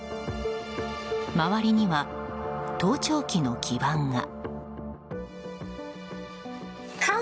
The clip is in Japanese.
周りには盗聴器の基盤が。